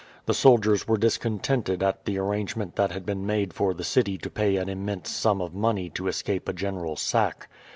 The soldiers were discontented at the arrangement that had been made for the city to pay an immense sum of money to escape a general sack.